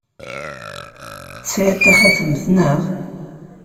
Tesɛiḍ taxatemt, naɣ?